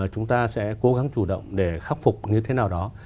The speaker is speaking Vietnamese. chúng ta sẽ cố gắng chủ động để khắc phục như thế nào đó